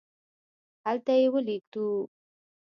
هلته یې ولیږدوو.